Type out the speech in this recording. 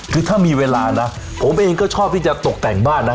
คือถ้ามีเวลานะผมเองก็ชอบที่จะตกแต่งบ้านนะ